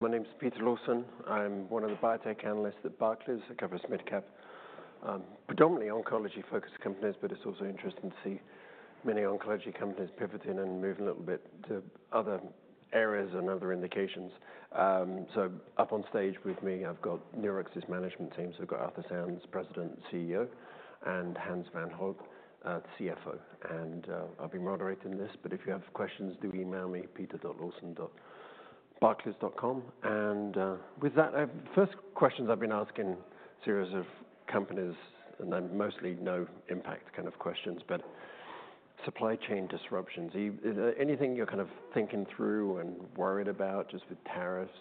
My name's Peter Lawson. I'm one of the biotech analysts at Barclays, a covered mid-cap, predominantly oncology-focused companies, but it's also interesting to see many oncology companies pivoting and moving a little bit to other areas and other indications. Up on stage with me, I've got Nurix's management team. We've got Arthur Sands, President, CEO, and Hans van Houte, CFO. I'll be moderating this, but if you have questions, do email me, peter.lawson@barclays.com. With that, first questions I've been asking a series of companies, and they're mostly no impact kind of questions, but supply chain disruptions. Anything you're kind of thinking through and worried about just with tariffs,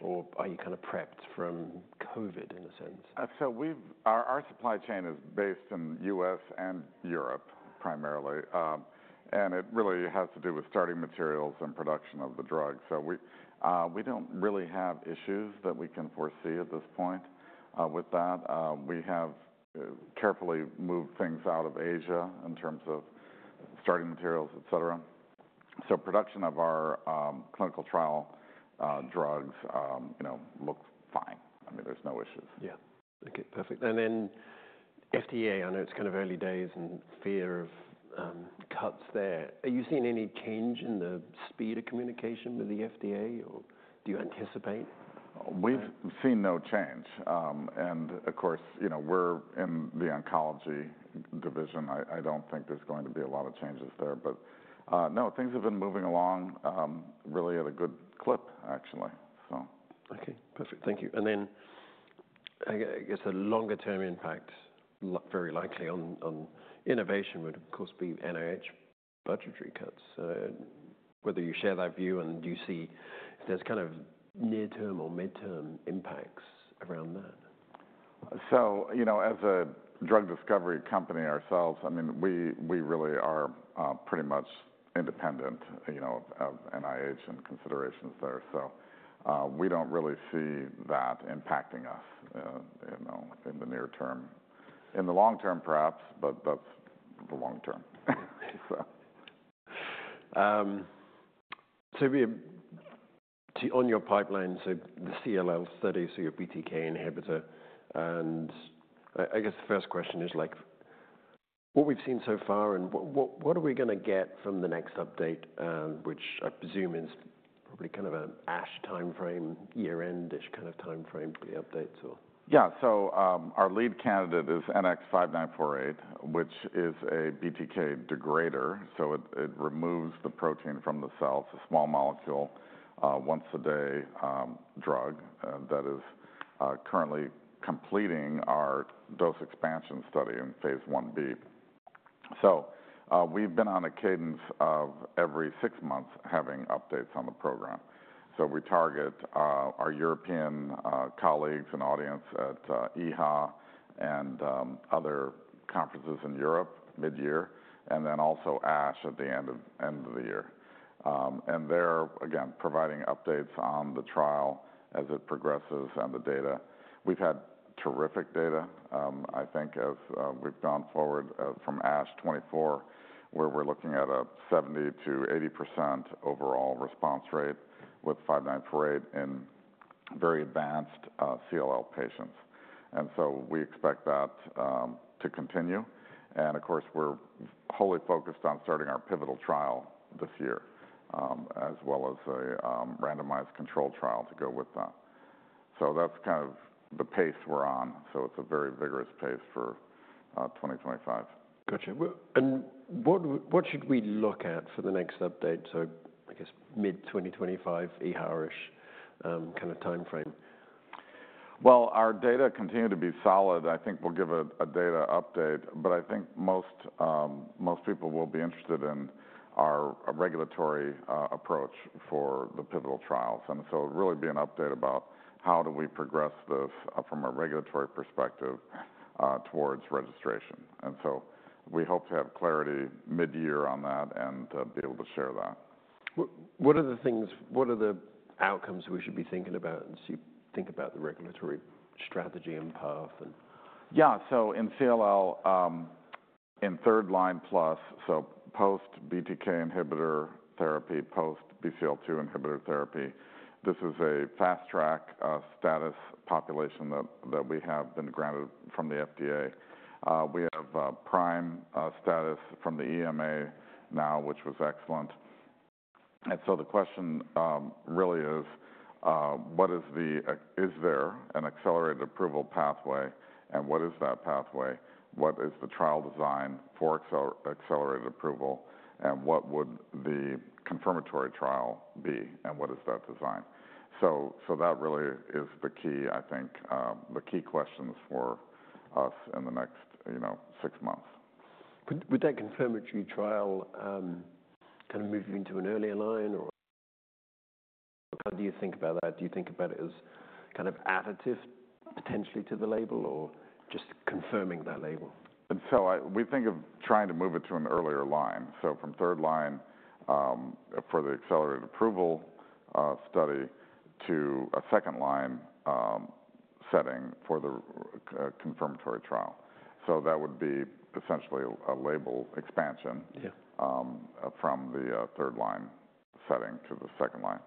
or are you kind of prepped from COVID in a sense? Our supply chain is based in the U.S. and Europe primarily, and it really has to do with starting materials and production of the drug. We do not really have issues that we can foresee at this point with that. We have carefully moved things out of Asia in terms of starting materials, etc. Production of our clinical trial drugs looks fine. I mean, there are no issues. Yeah. Okay, perfect. FDA, I know it's kind of early days and fear of cuts there. Are you seeing any change in the speed of communication with the FDA, or do you anticipate? We've seen no change. Of course, we're in the oncology division. I don't think there's going to be a lot of changes there, but no, things have been moving along really at a good clip, actually. Okay, perfect. Thank you. I guess a longer-term impact, very likely on innovation, would of course be NIH budgetary cuts. Whether you share that view and do you see if there's kind of near-term or mid-term impacts around that? As a drug discovery company ourselves, I mean, we really are pretty much independent of NIH and considerations there. We do not really see that impacting us in the near term. In the long term, perhaps, but that is the long term. On your pipeline, the CLL study, your BTK inhibitor. I guess the first question is, what we've seen so far, and what are we going to get from the next update, which I presume is probably kind of an ASH timeframe, year-end-ish kind of timeframe for the updates, or? Yeah, our lead candidate is NX-5948, which is a BTK degrader. It removes the protein from the cells, a small molecule, once-a-day drug that is currently completing our dose expansion study in phase Ib. We've been on a cadence of every six months having updates on the program. We target our European colleagues and audience at EHA and other conferences in Europe mid-year, and also ASH at the end of the year. They're, again, providing updates on the trial as it progresses and the data. We've had terrific data, I think, as we've gone forward from ASH 2024, where we're looking at a 70%-80% overall response rate with NX-5948 in very advanced CLL patients. We expect that to continue. Of course, we're wholly focused on starting our pivotal trial this year, as well as a randomized control trial to go with that. That is kind of the pace we're on. It is a very vigorous pace for 2025. Gotcha. What should we look at for the next update? I guess mid-2025, EHA-ish kind of timeframe. Our data continue to be solid. I think we'll give a data update, but I think most people will be interested in our regulatory approach for the pivotal trials. It will really be an update about how do we progress this from a regulatory perspective towards registration. We hope to have clarity mid-year on that and be able to share that. What are the things, what are the outcomes we should be thinking about as you think about the regulatory strategy and path? Yeah, so in CLL, in third line plus, so post-BTK inhibitor therapy, post-BCL2 inhibitor therapy, this is a fast track status population that we have been granted from the FDA. We have PRIME status from the EMA now, which was excellent. The question really is, what is the, is there an accelerated approval pathway, and what is that pathway? What is the trial design for accelerated approval, and what would the confirmatory trial be, and what is that design? That really is the key, I think, the key questions for us in the next six months. Would that confirmatory trial kind of move you into an earlier line, or how do you think about that? Do you think about it as kind of additive potentially to the label, or just confirming that label? We think of trying to move it to an earlier line. From third line for the accelerated approval study to a second line setting for the confirmatory trial, that would be essentially a label expansion from the third line setting to the second line.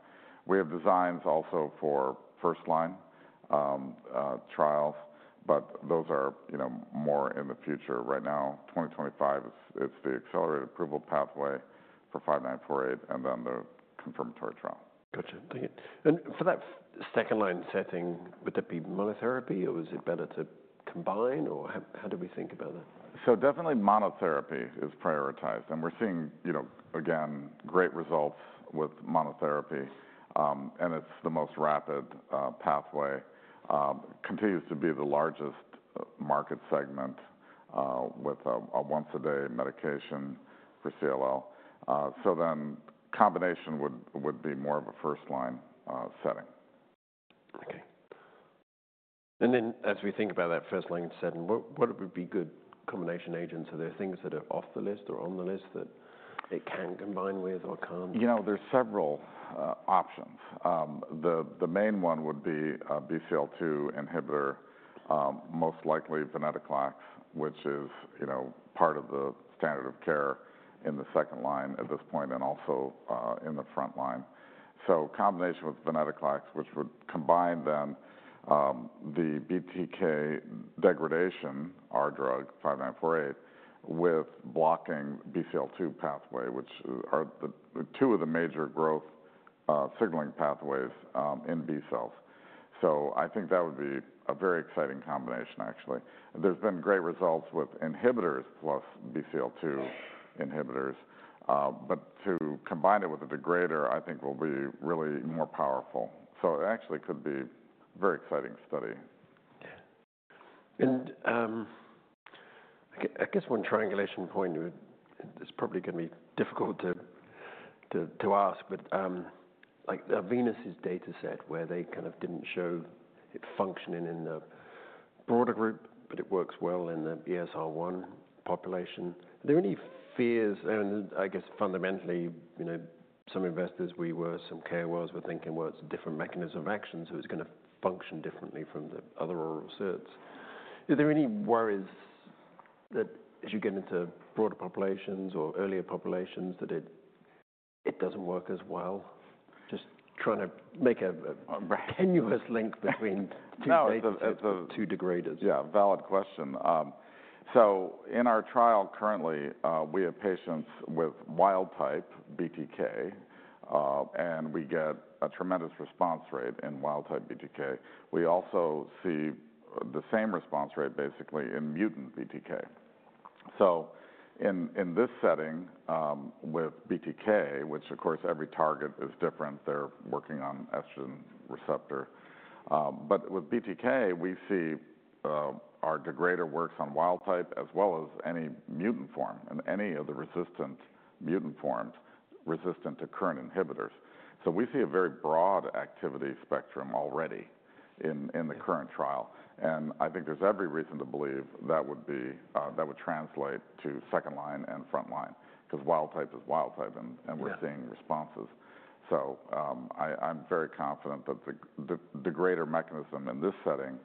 We have designs also for first line trials, but those are more in the future. Right now, 2025, it is the accelerated approval pathway for 5948, and then the confirmatory trial. Gotcha. Thank you. For that second line setting, would that be monotherapy, or is it better to combine, or how do we think about that? Definitely monotherapy is prioritized. We're seeing, again, great results with monotherapy, and it's the most rapid pathway. It continues to be the largest market segment with a once-a-day medication for CLL. Combination would be more of a first line setting. Okay. As we think about that first line setting, what would be good combination agents? Are there things that are off the list or on the list that it can combine with or can't? You know, there's several options. The main one would be BCL2 inhibitor, most likely venetoclax, which is part of the standard of care in the second line at this point and also in the front line. Combination with venetoclax, which would combine then the BTK degradation, our drug 5948, with blocking BCL2 pathway, which are two of the major growth signaling pathways in B cells. I think that would be a very exciting combination, actually. There's been great results with inhibitors Plus BCL2 inhibitors, but to combine it with a degrader, I think will be really more powerful. It actually could be a very exciting study. Yeah. I guess one triangulation point, it's probably going to be difficult to ask, but like the VenaSys data set where they kind of didn't show it functioning in the broader group, but it works well in the ESR1 population. Are there any fears? I guess fundamentally, some investors we were, some KOLs were thinking, well, it's a different mechanism of action, so it's going to function differently from the other oral SERDs. Are there any worries that as you get into broader populations or earlier populations that it doesn't work as well? Just trying to make a tenuous link between two degraders. Yeah, valid question. In our trial currently, we have patients with wild type BTK, and we get a tremendous response rate in wild type BTK. We also see the same response rate basically in mutant BTK. In this setting with BTK, which of course every target is different, they're working on estrogen receptor. With BTK, we see our degrader works on wild type as well as any mutant form and any of the resistant mutant forms resistant to current inhibitors. We see a very broad activity spectrum already in the current trial. I think there's every reason to believe that would translate to second line and front line, because wild type is wild type and we're seeing responses. I'm very confident that the degrader mechanism in this setting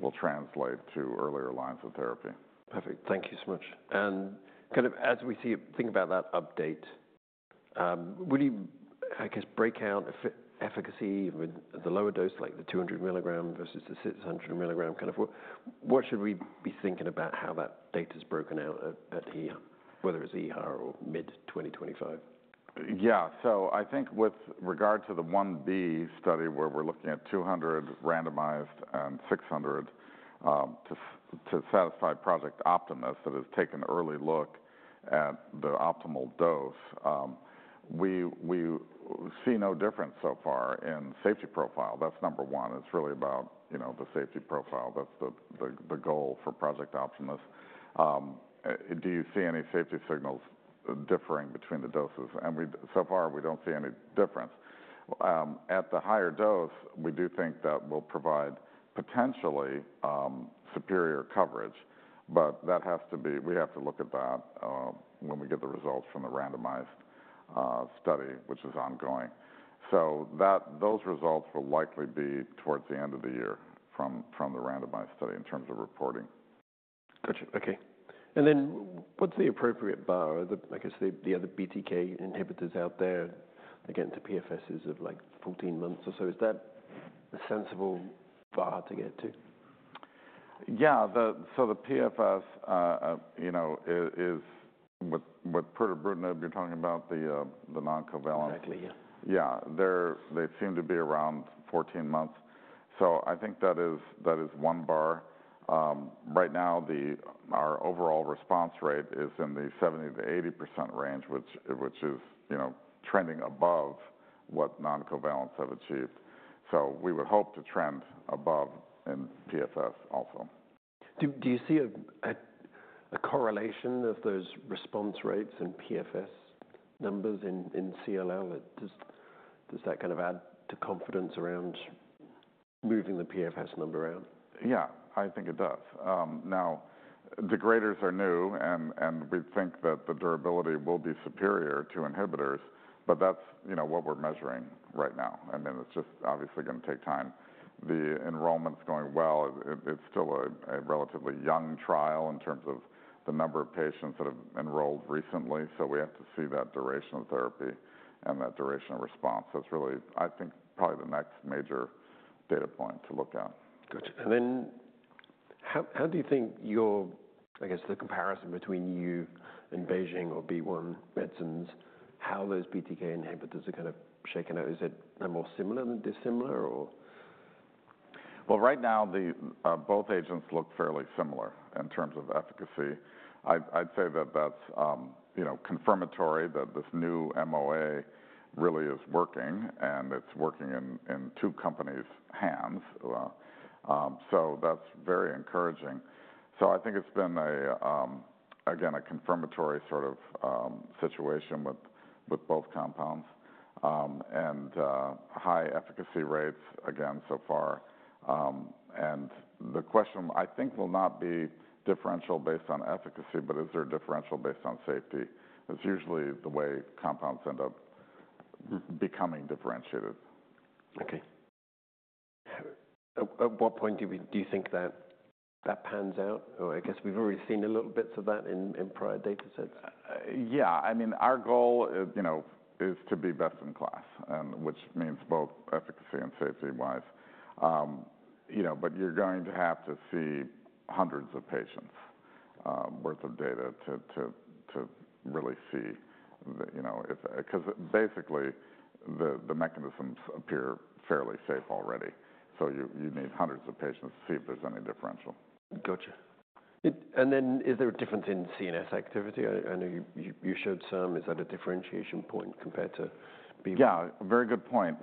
will translate to earlier lines of therapy. Perfect. Thank you so much. Kind of as we think about that update, would you, I guess, break out efficacy with the lower dose, like the 200 milligram versus the 600 milligram, kind of, what should we be thinking about how that data is broken out at EHA, whether it's EHA or mid-2025? Yeah, I think with regard to the 1B study where we're looking at 200 randomized and 600 to satisfy Project Optimus that has taken an early look at the optimal dose, we see no difference so far in safety profile. That's number one. It's really about the safety profile. That's the goal for Project Optimus. Do you see any safety signals differing between the doses? So far, we don't see any difference. At the higher dose, we do think that will provide potentially superior coverage, but that has to be, we have to look at that when we get the results from the randomized study, which is ongoing. Those results will likely be towards the end of the year from the randomized study in terms of reporting. Gotcha. Okay. What's the appropriate bar? I guess the other BTK inhibitors out there, again, to PFSs of like 14 months or so. Is that a sensible bar to get to? Yeah. So the PFS is with pirtobrutinib, you're talking about the non-covalent? Exactly, yeah. Yeah. They seem to be around 14 months. I think that is one bar. Right now, our overall response rate is in the 70%-80% range, which is trending above what non-covalents have achieved. We would hope to trend above in PFS also. Do you see a correlation of those response rates and PFS numbers in CLL? Does that kind of add to confidence around moving the PFS number out? Yeah, I think it does. Now, degraders are new, and we think that the durability will be superior to inhibitors, but that's what we're measuring right now. It is just obviously going to take time. The enrollment's going well. It's still a relatively young trial in terms of the number of patients that have enrolled recently. We have to see that duration of therapy and that duration of response. That's really, I think, probably the next major data point to look at. Gotcha. How do you think your, I guess, the comparison between you and BeiGene or B1 Medicines, how those BTK inhibitors are kind of shaken out? Is it more similar than dissimilar, or? Right now, both agents look fairly similar in terms of efficacy. I'd say that that's confirmatory that this new MOA really is working, and it's working in two companies' hands. That's very encouraging. I think it's been, again, a confirmatory sort of situation with both compounds and high efficacy rates, again, so far. The question, I think, will not be differential based on efficacy, but is there differential based on safety? That's usually the way compounds end up becoming differentiated. Okay. At what point do you think that pans out? Or I guess we've already seen a little bit of that in prior data sets. Yeah. I mean, our goal is to be best in class, which means both efficacy and safety-wise. You're going to have to see hundreds of patients' worth of data to really see if, because basically the mechanisms appear fairly safe already. You need hundreds of patients to see if there's any differential. Gotcha. Is there a difference in CNS activity? I know you showed some. Is that a differentiation point compared to B1? Yeah, very good point.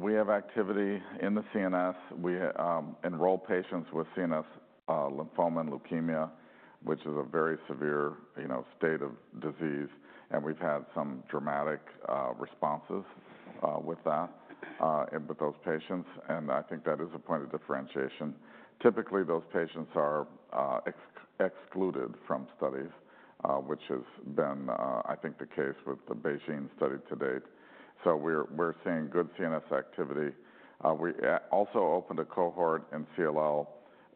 We have activity in the CNS. We enroll patients with CNS lymphoma and leukemia, which is a very severe state of disease. We have had some dramatic responses with those patients. I think that is a point of differentiation. Typically, those patients are excluded from studies, which has been, I think, the case with the BeiGene study to date. We are seeing good CNS activity. We also opened a cohort in CLL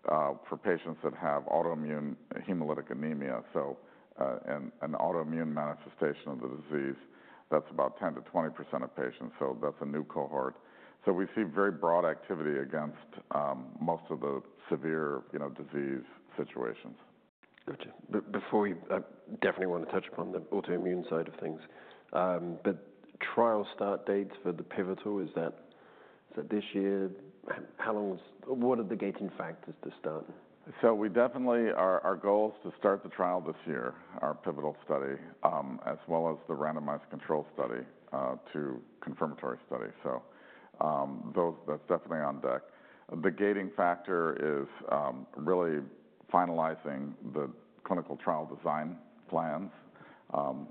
for patients that have autoimmune hemolytic anemia, so an autoimmune manifestation of the disease. That is about 10%-20% of patients. That is a new cohort. We see very broad activity against most of the severe disease situations. Gotcha. Before, we definitely want to touch upon the autoimmune side of things, but trial start dates for the pivotal, is that this year? How long was, what are the gating factors to start? We definitely, our goal is to start the trial this year, our pivotal study, as well as the randomized control study, the confirmatory study. That is definitely on deck. The gating factor is really finalizing the clinical trial design plans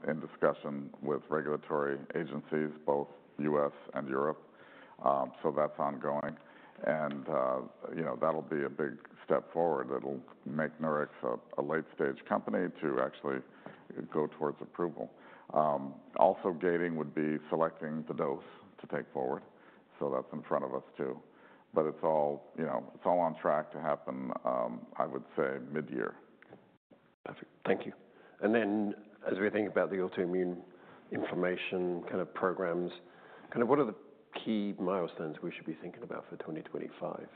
in discussion with regulatory agencies, both U.S. and Europe. That is ongoing. That will be a big step forward. It will make Nurix a late-stage company to actually go towards approval. Also gating would be selecting the dose to take forward. That is in front of us too. It is all on track to happen, I would say, mid-year. Perfect. Thank you. As we think about the autoimmune information kind of programs, kind of what are the key milestones we should be thinking about for 2025?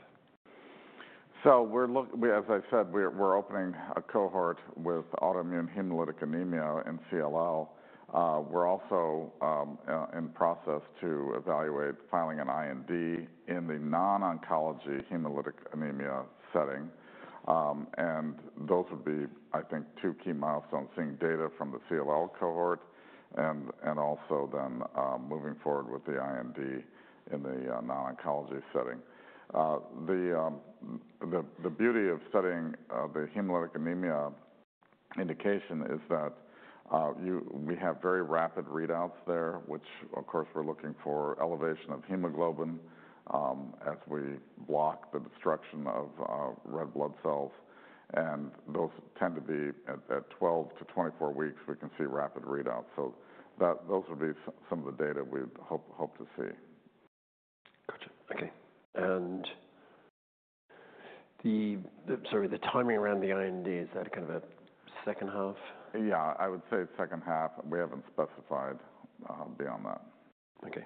As I said, we're opening a cohort with autoimmune hemolytic anemia in CLL. We're also in process to evaluate filing an IND in the non-oncology hemolytic anemia setting. Those would be, I think, two key milestones: seeing data from the CLL cohort and also then moving forward with the IND in the non-oncology setting. The beauty of studying the hemolytic anemia indication is that we have very rapid readouts there, which of course we're looking for elevation of hemoglobin as we block the destruction of red blood cells. Those tend to be at 12weeks-24 weeks, we can see rapid readouts. Those would be some of the data we hope to see. Gotcha. Okay. Sorry, the timing around the IND, is that kind of a second half? Yeah, I would say second half. We haven't specified beyond that. Okay.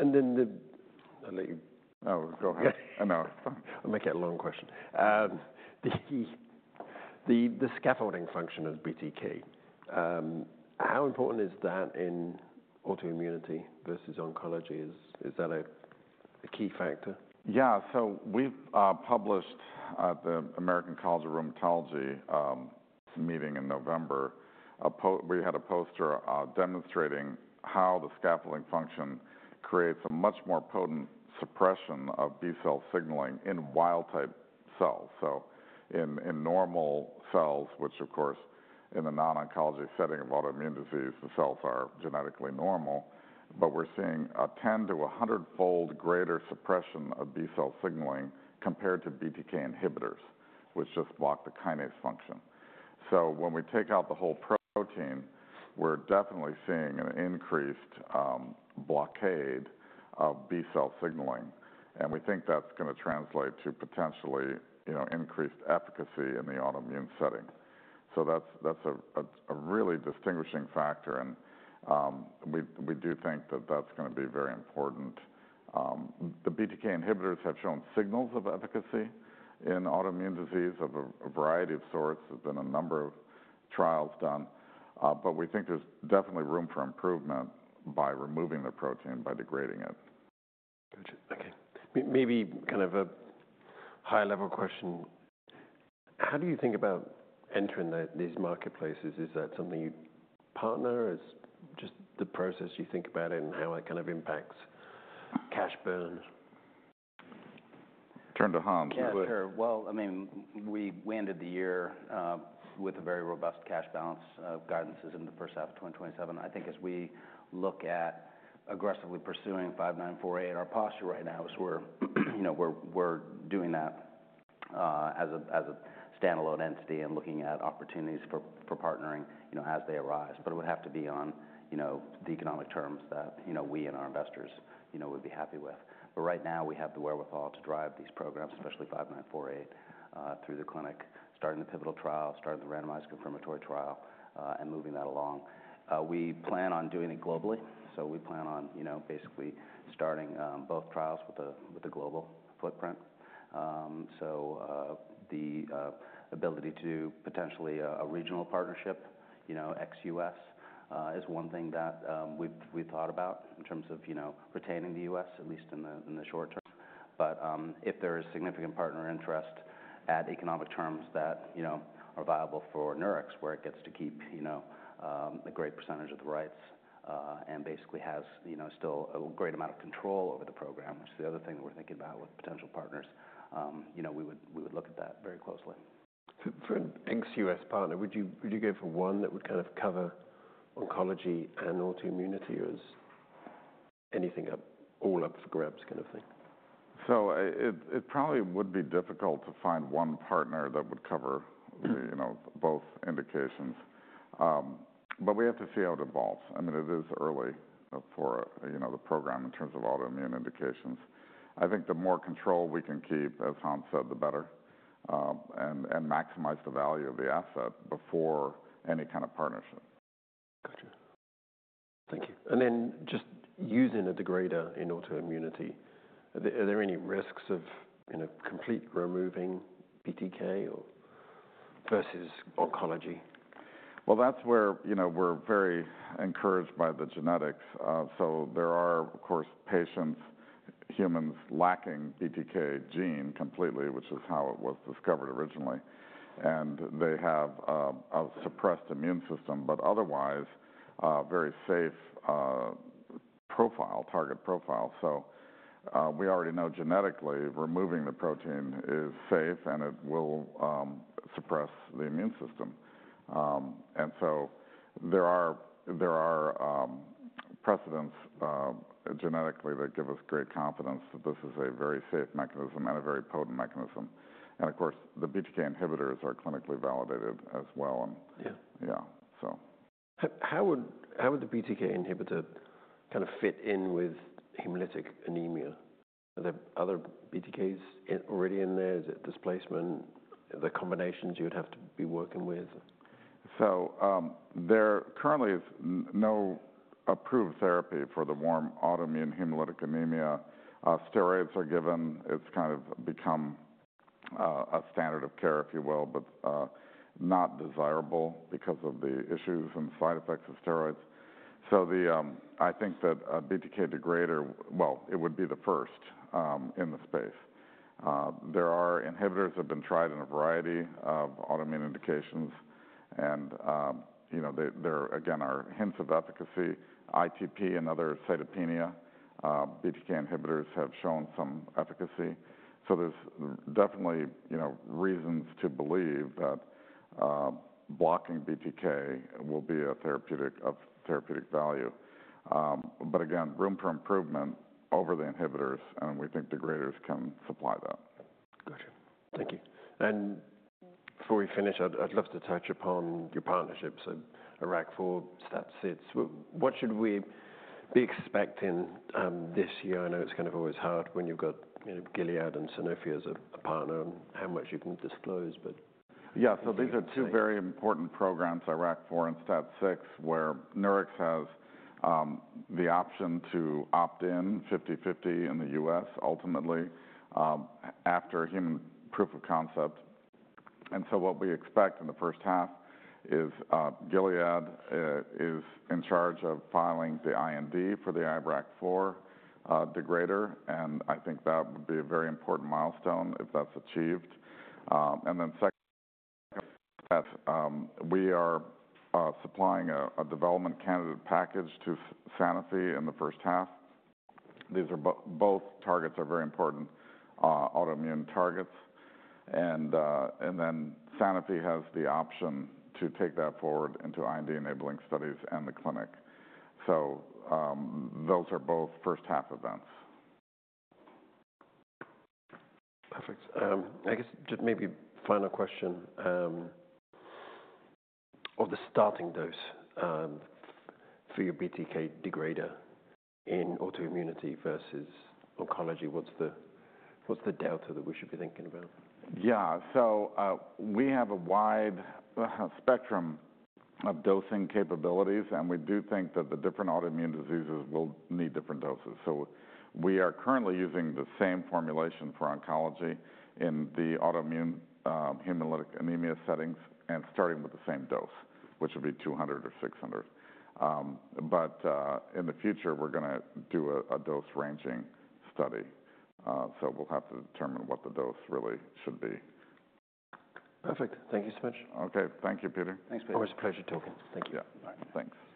And then the. Oh, go ahead. I'll make it a long question. The scaffolding function of BTK, how important is that in autoimmunity versus oncology? Is that a key factor? Yeah. We have published at the American College of Rheumatology meeting in November, we had a poster demonstrating how the scaffolding function creates a much more potent suppression of B cell signaling in wild type cells. In normal cells, which of course in the non-oncology setting of autoimmune disease, the cells are genetically normal, but we are seeing a 10-100 fold greater suppression of B cell signaling compared to BTK inhibitors, which just block the kinase function. When we take out the whole protein, we are definitely seeing an increased blockade of B cell signaling. We think that is going to translate to potentially increased efficacy in the autoimmune setting. That is a really distinguishing factor. We do think that is going to be very important. The BTK inhibitors have shown signals of efficacy in autoimmune disease of a variety of sorts. There's been a number of trials done. We think there's definitely room for improvement by removing the protein, by degrading it. Gotcha. Okay. Maybe kind of a higher level question. How do you think about entering these marketplaces? Is that something you partner? Is just the process you think about it and how it kind of impacts cash burn? Turn to Hans. Yeah, sure. I mean, we ended the year with a very robust cash balance of guidance in the first half of 2027. I think as we look at aggressively pursuing 5948, our posture right now is we're doing that as a standalone entity and looking at opportunities for partnering as they arise. It would have to be on the economic terms that we and our investors would be happy with. Right now, we have the wherewithal to drive these programs, especially 5948, through the clinic, starting the pivotal trial, starting the randomized confirmatory trial, and moving that along. We plan on doing it globally. We plan on basically starting both trials with a global footprint. The ability to do potentially a regional partnership, ex-U.S., is one thing that we've thought about in terms of retaining the U.S., at least in the short term. If there is significant partner interest at economic terms that are viable for Nurix, where it gets to keep a great percentage of the rights and basically has still a great amount of control over the program, which is the other thing that we're thinking about with potential partners, we would look at that very closely. For an ex-U.S. partner, would you go for one that would kind of cover oncology and autoimmunity or is anything all up for grabs kind of thing? It probably would be difficult to find one partner that would cover both indications. We have to see how it evolves. I mean, it is early for the program in terms of autoimmune indications. I think the more control we can keep, as Hans said, the better, and maximize the value of the asset before any kind of partnership. Gotcha. Thank you. And then just using a degrader in autoimmunity, are there any risks of complete removing BTK versus oncology? That is where we are very encouraged by the genetics. There are, of course, patients, humans lacking the BTK gene completely, which is how it was discovered originally. They have a suppressed immune system, but otherwise a very safe profile, target profile. We already know genetically removing the protein is safe and it will suppress the immune system. There are precedents genetically that give us great confidence that this is a very safe mechanism and a very potent mechanism. The BTK inhibitors are clinically validated as well. Yeah, so. How would the BTK inhibitor kind of fit in with hemolytic anemia? Are there other BTKs already in there? Is it displacement? The combinations you'd have to be working with? There currently is no approved therapy for the warm autoimmune hemolytic anemia. Steroids are given. It has kind of become a standard of care, if you will, but not desirable because of the issues and side effects of steroids. I think that a BTK degrader, well, it would be the first in the space. There are inhibitors that have been tried in a variety of autoimmune indications. There, again, are hints of efficacy. ITP and other cytopenia BTK inhibitors have shown some efficacy. There are definitely reasons to believe that blocking BTK will be of therapeutic value. Again, room for improvement over the inhibitors. We think degraders can supply that. Gotcha. Thank you. Before we finish, I'd love to touch upon your partnership, so IRAK4, STAT6. What should we be expecting this year? I know it's kind of always hard when you've got Gilead and Sanofi as a partner and how much you can disclose. Yeah, so these are two very important programs, IRAK4 and STAT6, where Nurix has the option to opt in 50/50 in the U.S. ultimately after human proof of concept. What we expect in the first half is Gilead is in charge of filing the IND for the IRAK4 degrader. I think that would be a very important milestone if that's achieved. Second, we are supplying a development candidate package to Sanofi in the first half. These are both targets that are very important autoimmune targets. Sanofi has the option to take that forward into IND enabling studies and the clinic. Those are both first half events. Perfect. I guess just maybe final question of the starting dose for your BTK degrader in autoimmunity versus oncology. What's the delta that we should be thinking about? Yeah. We have a wide spectrum of dosing capabilities. We do think that the different autoimmune diseases will need different doses. We are currently using the same formulation for oncology in the autoimmune hemolytic anemia settings and starting with the same dose, which would be 200 or 600. In the future, we're going to do a dose ranging study. We'll have to determine what the dose really should be. Perfect. Thank you so much. Okay. Thank you, Peter. Thanks, Peter. Always a pleasure talking. Thank you. Yeah. Thanks.